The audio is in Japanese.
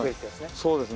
そうですね。